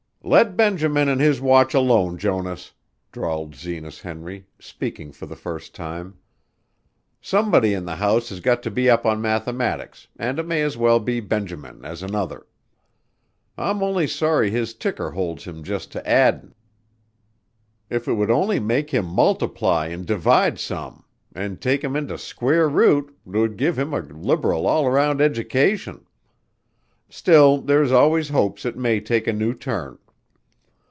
"Let Benjamin an' his watch alone, Jonas," drawled Zenas Henry, speaking for the first time. "Somebody in the house has got to be up on mathematics, an' it may as well be Benjamin as another. I'm only sorry his ticker holds him just to addin'; if it would only make him multiply an' divide some, an' take him into square root 'twould give him a liberal all round education. Still, there's always hopes it may take a new turn.